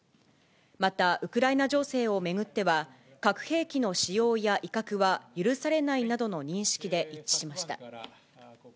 また、ウクライナ情勢を巡っては、核兵器の使用や威嚇は許されないなどの認識で一致しました。